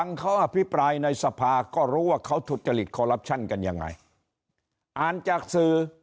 ในสภาก็รู้ว่าเขาทุจริตคอลลับชั่นกันยังไงอ่านจากสื่อ